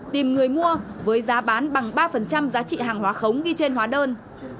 tìm người mua với giá bán bằng ba giá trị hàng hóa khống ghi trên hóa đơn